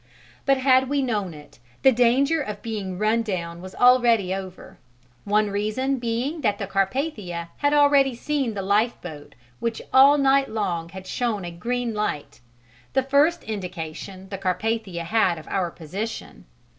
But had we known it, the danger of being run down was already over, one reason being that the Carpathia had already seen the lifeboat which all night long had shown a green light, the first indication the Carpathia had of our position.